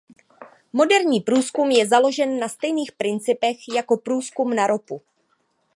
Moderní průzkum je založen na stejných principech jako průzkum na ropu.